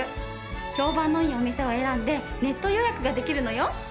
評判のいいお店を選んでネット予約ができるのよ。